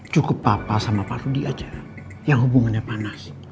cukup papa sama pak rudi aja yang hubungannya panas